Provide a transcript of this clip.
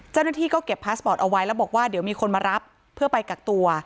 เจ้าหน้าที่ก็เก็บพาสปอร์ตเอาไว้แล้วบอกว่าเดี๋ยวมีคนมารับเพื่อไปกักตัว